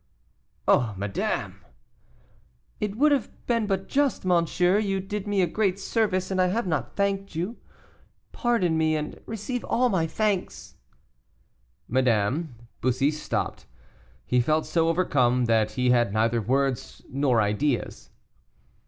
"Oh, madame!" "It would have been but just, monsieur; you did me a great service, and I have not thanked you. Pardon me, and receive all my thanks." "Madame " Bussy stopped; he felt so overcome, that he had neither words nor ideas.